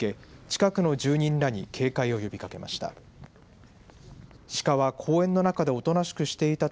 近くの住人らに警戒を呼びかけました。